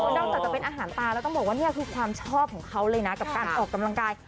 นอกจากจะเป็นอาหารตาแล้วต้องบอกว่านี่คือความชอบของเขาเลยนะกับการออกกำลังกาย